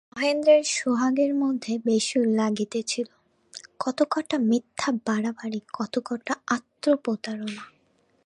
মহেন্দ্রের সোহাগের মধ্যে বেসুর লাগিতেছিল–কতকটা মিথ্যা বাড়াবাড়ি, কতকটা আত্মপ্রতারণা।